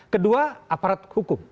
kedua aparat hukum